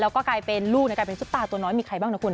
แล้วก็กลายเป็นลูกสุปตาตัวน้อยมีใครบ้างนะคุณ